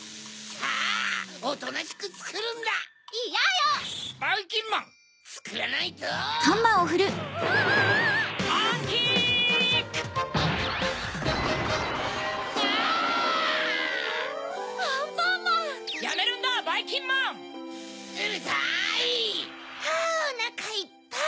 あおなかいっぱい！